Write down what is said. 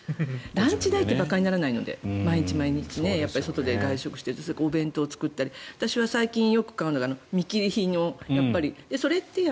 ランチ代って馬鹿にならないので毎日、毎日外で外食しているとお弁当を作ったり私は最近よく買うのが見切り品の、やっぱり。